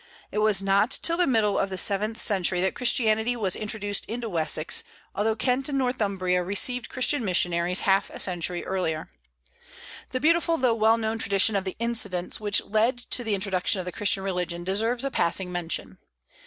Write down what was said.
It was not till the middle of the seventh century that Christianity was introduced into Wessex, although Kent and Northumbria received Christian missionaries half a century earlier. The beautiful though well known tradition of the incidents which led to the introduction of the Christian religion deserves a passing mention.